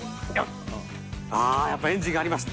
ああ、やっぱりエンジンがありました。